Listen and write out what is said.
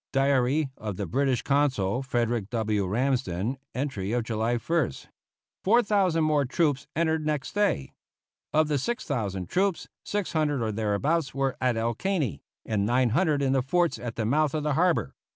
(Diary of the British Consul, Frederick W. Ramsden, entry of July 1st.) Four thousand more troops entered next day. Of the 6,000 troops, 600 or thereabouts were at El Caney, and 900 in the forts at the mouth of the harbor.